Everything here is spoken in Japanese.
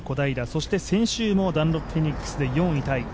そして先週もダンロップフェニックスで４位タイ。